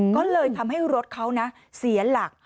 ก็เลยทำให้รถเขานะเสียหลัก